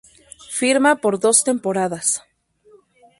Firma por dos temporadas.